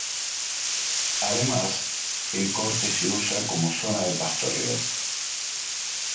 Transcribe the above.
Además, el corte se usa como zona de pastoreo.